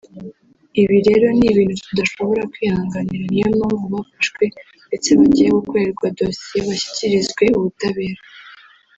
ibi rero ni ibintu tudashobora kwihanganira ni yo mpamvu bafashwe ndetse bagiye gukorerwa dosiye bashyikirizwe ubutabera